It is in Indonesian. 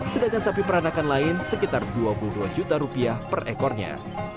sedangkan sapi peranakan lain sekitar dua puluh dua juta rupiah per ekornya